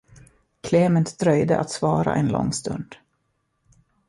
Klement dröjde att svara en lång stund.